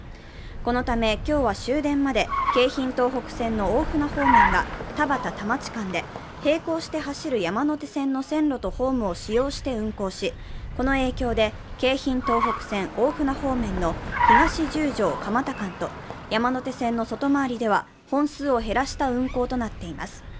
このため今日は終電まで京浜東北線の大船方面が田端ー田町間で、平行して走る山手線の線路とホームを使用して運行し、この影響で、京浜東北線・大船方面の東十条−蒲田間と山手線の外回りでは本数を減らした運行となっています。